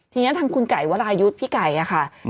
ทีนี้ทางคุณไก่วรายุทธ์พี่ไก่ค่ะ